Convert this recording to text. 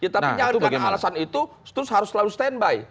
tapi alasan itu harus lalu stand by